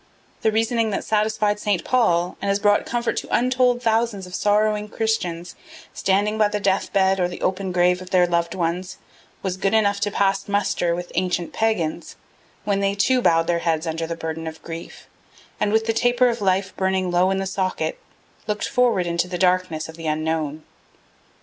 The reasoning that satisfied Saint Paul and has brought comfort to untold thousands of sorrowing Christians, standing by the deathbed or the open grave of their loved ones, was good enough to pass muster with ancient pagans, when they too bowed their heads under the burden of grief, and, with the taper of life burning low in the socket, looked forward into the darkness of the unknown.